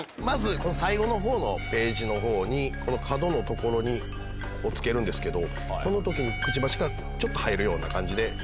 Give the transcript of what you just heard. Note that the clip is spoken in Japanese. まず最後のほうのページのほうにこの角のところにこう付けるんですけどこの時にくちばしがちょっと入るような感じで。